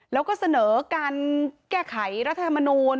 แล้วก็เสนอการแก้ไขรัฐธรรมนูล